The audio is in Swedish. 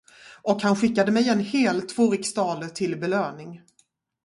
Och han skickade mig en hel tvåriksdaler till belöning.